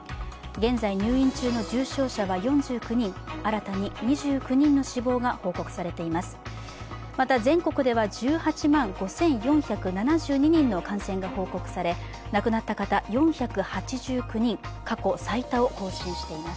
現在、入院中の重症者は４９人、新たに２９人の死亡が報告されています。